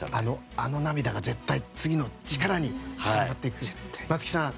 あの涙が絶対に次の力につながりますよね。